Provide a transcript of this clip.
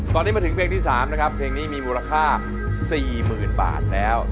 ตอนนี้มาถึงเพลงที่๓นะครับเพลงนี้มีมูลค่า๔๐๐๐บาทแล้ว